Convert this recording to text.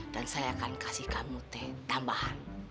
dan saya akan kasih kamu teh tambahan